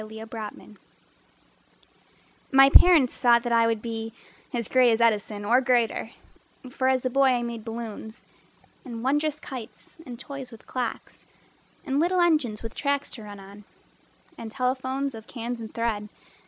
Walter Simmons My parents thought that I would be As great as Edison or greater: For as a boy I made balloons And wondrous kites and toys with clocks And little engines with tracks to run on And telephones of cans and thread.